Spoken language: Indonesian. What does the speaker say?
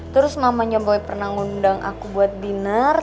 terus mamanya boy pernah ngundang aku buat binner